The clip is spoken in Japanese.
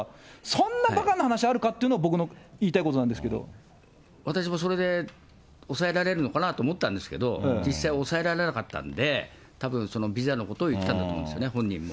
そんなばかな話あるかっていうの、僕の言いたいことなんです私もそれでおさえられるのかなと思ったんですが、実際抑えられなかったんで、たぶんそのビザのことを言ったんだと思うんですよね、本人も。